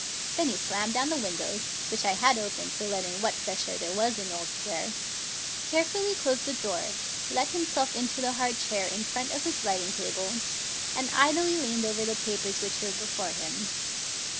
Then he slammed down the windows, which I had opened to let in what fresh air there was in Old Square, carefully closed the door, let himself into the hard chair in front of his writing 294 Mr. TwistletofCs Typewriter table, and idly leaned over the papers which were before him.